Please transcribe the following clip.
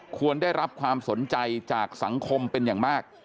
ควรได้รับความสนใจจากสังคมเป็นอย่างมาก